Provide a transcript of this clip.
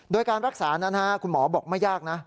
โดยการรักษานั้นคุณหมอบอกไม่ยากนะ